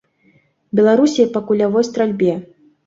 Беларусі па кулявой стральбе.